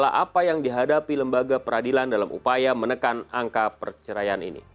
apa yang dihadapi lembaga peradilan dalam upaya menekan angka perceraian ini